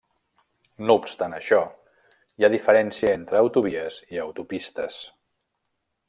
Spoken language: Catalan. No obstant això, hi ha diferències entre autovies i autopistes.